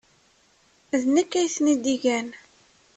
D nekk ay ten-id-igan.